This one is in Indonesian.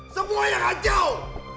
semua yang acau